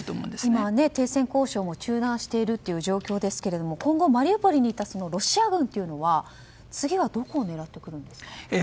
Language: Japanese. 今、停戦交渉も中断している状況ですが今後、マリウポリにいたロシア軍は次はどこを狙ってくるんですか。